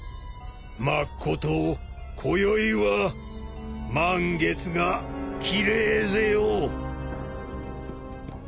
まっことこよいは満月が奇麗ぜよ。